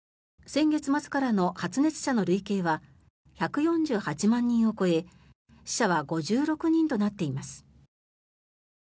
先月末からの発熱者の累計は１４８万人を超え死者は５６人となっています。